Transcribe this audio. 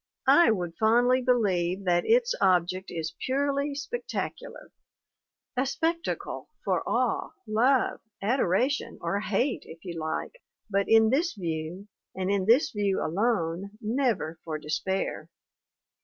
I would fondly believe that its object is purely spec 190 THE WOMEN WHO MAKE OUR NOVELS tacular: a spectacle for awe, love, adoration, or hate, if you like, but in this view and in this view alone never for despair!